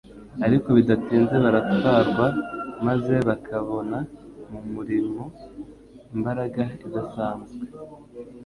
ariko bidatinze baratwarwa maze bakabona mu murimo imbaraga idasanzwe,